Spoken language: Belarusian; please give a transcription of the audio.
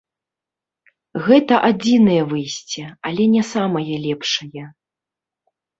Гэта адзінае выйсце, але не самае лепшае.